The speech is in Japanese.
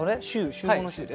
「集合」の「集」で？